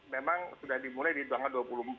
memang sudah dimulai di tanggal dua puluh empat